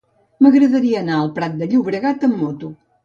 M'agradaria anar al Prat de Llobregat amb moto.